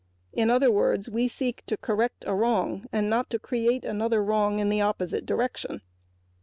In other words, we seek to correct a wrong and not to create another wrong in the opposite direction.